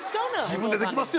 自分でできますよ